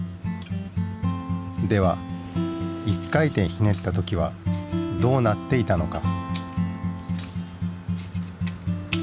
では一回転ひねった時はどうなっていたのか？